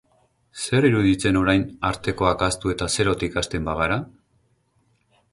Zer iruditzen orain artekoak ahaztu eta zerotik hasten bagara?